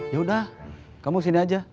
yaudah kamu sini aja